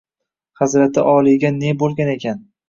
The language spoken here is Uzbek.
Hazrati oliyga ne bo’lgan ekan?